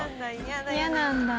嫌なんだ。